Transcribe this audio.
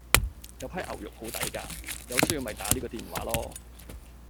有批牛肉好抵架，有需要咪打呢個電話囉